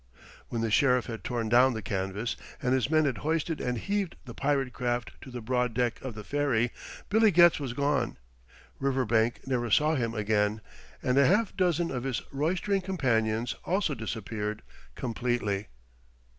When the Sheriff had torn down the canvas and his men had hoisted and heaved the pirate craft to the broad deck of the ferry, Billy Getz was gone. Riverbank never saw him again, and a half dozen of his roistering companions also disappeared completely.